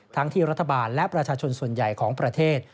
ที่รัฐบาลและประชาชนส่วนใหญ่ของประเทศ